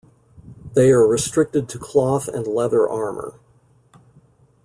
They are restricted to cloth and leather armor.